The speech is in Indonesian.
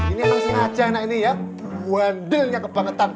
ini sengaja anak ini ya wandelnya kebangetan